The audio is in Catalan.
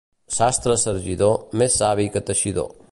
Sastre sargidor, més savi que teixidor.